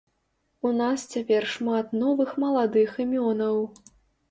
У нас цяпер шмат новых маладых імёнаў.